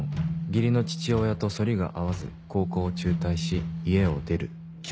義理の父親とそりが合わず高校を中退し家を出る」。